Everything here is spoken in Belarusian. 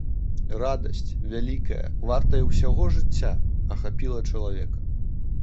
Радасць, вялікая, вартая ўсяго жыцця, ахапіла чалавека.